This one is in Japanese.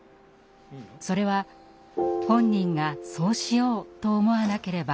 それは本人が「そうしよう」と思わなければできないことです。